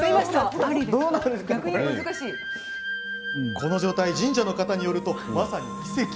この状態、神社の方によるとまさに奇跡。